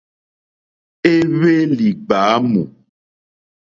Éhwélì ɡbǎmù.